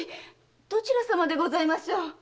どちらさまでございましょう？